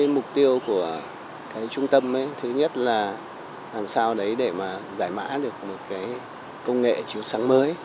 mục tiêu của trung tâm thứ nhất là làm sao để giải mã được công nghệ chiều sáng mới